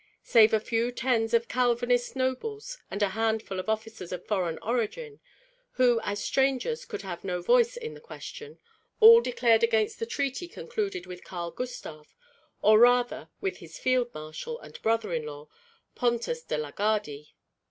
Save a few tens of Calvinist nobles and a handful of officers of foreign origin, who as strangers could have no voice in the question, all declared against the treaty concluded with Karl Gustav, or rather with his field marshal and brother in law, Pontus de la Gardie.